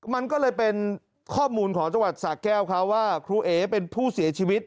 มันก็เลยเป็นข้อมูลของจังหวัดสะแก้วเขาว่าครูเอ๋เป็นผู้เสียชีวิต